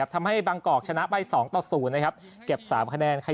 ทำให้บางกอกชนะเป็น๒๐เก็บ๓คะแนน